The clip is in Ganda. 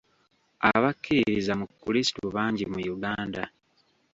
Abakkiririza mu Krisitu bangi mu Uganda.